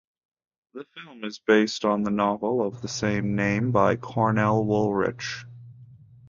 The film is based on the novel of the same name by Cornell Woolrich.